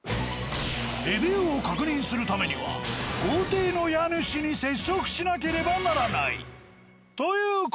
レビューを確認するためには豪邸の家主に接触しなければならない。